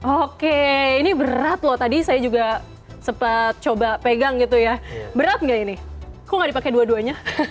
oke ini berat loh tadi saya juga sempat coba pegang gitu ya berat nggak ini kok nggak dipakai dua duanya